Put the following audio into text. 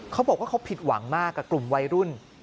เขาบอกว่าเขาผิดหวังมากกับกลุ่มวัยรุ่น